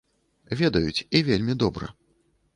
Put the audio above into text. Ведаюць, і вельмі добра.